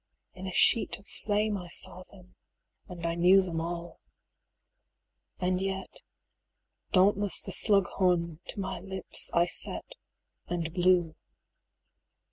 in a sheet of flame I saw them and I knew them all. And yet Dauntless the slug horn to my lips I set, And blew.